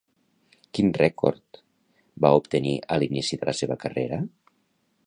Quin rècord va obtenir a l'inici de la seva carrera?